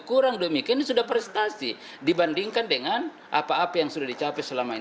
kurang demikian ini sudah prestasi dibandingkan dengan apa apa yang sudah dicapai selama ini